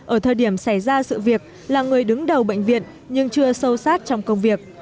ở thời điểm xảy ra sự việc là người đứng đầu bệnh viện nhưng chưa sâu sát trong công việc